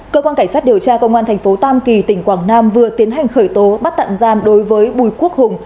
cơ quan cảnh sát điều tra công an thành phố tam kỳ tỉnh quảng nam vừa tiến hành khởi tố bắt tạm giam đối với bùi quốc hùng